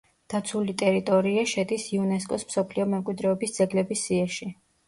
დაცული ტერიტორია შედის იუნესკოს მსოფლიო მემკვიდრეობის ძეგლების სიაში.